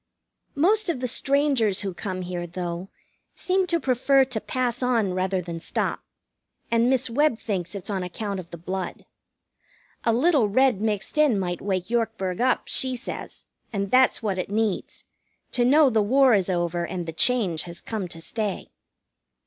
Most of the strangers who come here, though, seem to prefer to pass on rather than stop, and Miss Webb thinks it's on account of the blood. A little red mixed in might wake Yorkburg up, she says, and that's what it needs to know the war is over and the change has come to stay.